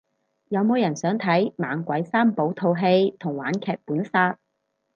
有冇人想睇猛鬼三寶套戲同玩劇本殺